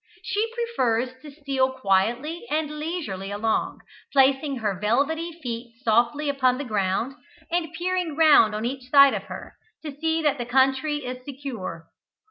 She prefers to steal quietly and leisurely along, placing her velvety feet softly upon the ground, and peering round on each side of her, to see that the country is secure.